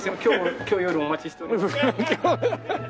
今日夜お待ちしております。